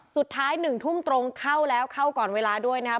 สุดท้าย๑ทุ่มตรงเข้าแล้วเข้าก่อนเวลาด้วยนะครับ